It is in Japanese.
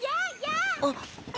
あっ！